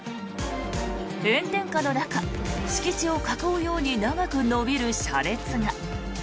炎天下の中、敷地を囲うように長く延びる車列が。